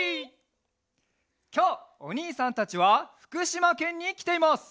きょうおにいさんたちはふくしまけんにきています！